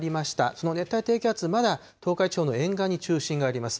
その熱帯低気圧、まだ東海地方の沿岸に中心があります。